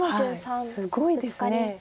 すごいです。